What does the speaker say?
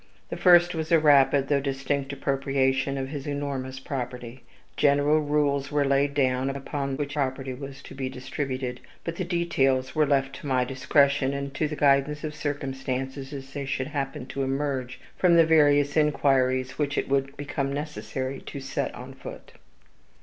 The first was a rapid though distinct appropriation of his enormous property. General rules were laid down, upon which the property was to be distributed, but the details were left to my discretion, and to the guidance of circumstances as they should happen to emerge from the various inquiries which it would become necessary to set on foot.